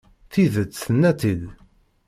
Tidet, tenna-tt-id.